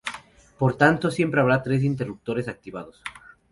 Por tanto, siempre habrá tres interruptores activados.